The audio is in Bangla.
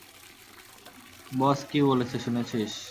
বস কী বলেছে শুনেছিস?